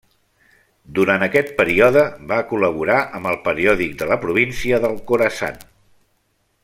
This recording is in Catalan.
Durant aquest període va col·laborar amb el periòdic de la província del Khorasan.